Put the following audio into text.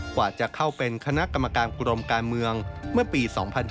กว่าจะเข้าเป็นคณะกรรมการกรมการเมืองเมื่อปี๒๕๕๙